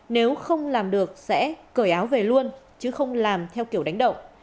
nếu không làm được sẽ cởi áo về luôn chứ không làm theo kiểu đánh động